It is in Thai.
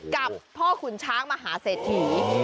กับพ่อขุนช้างมหาเสถียร์